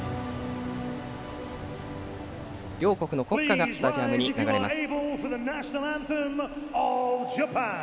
両国の国歌がスタジアムに流れます。